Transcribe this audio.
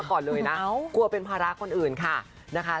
กลัวเป็นพาระคนอื่นค่ะ